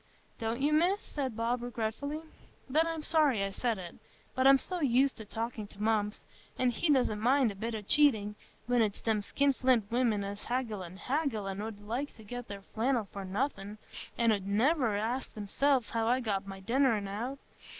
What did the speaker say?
"Don't you, Miss?" said Bob regretfully. "Then I'm sorry I said it. But I'm so used to talking to Mumps, an' he doesn't mind a bit o' cheating, when it's them skinflint women, as haggle an' haggle, an' 'ud like to get their flannel for nothing, an' 'ud niver ask theirselves how I got my dinner out on't.